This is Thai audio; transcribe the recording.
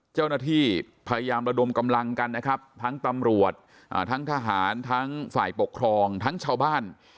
เจ้าหน้าที่พยายามระดมกำลังกันนะครับทั้งตำรวจทั้งทหารทั้งฝ่ายปกครองทั้งชาวบ้าน